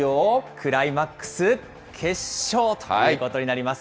クライマックス、決勝ということになります。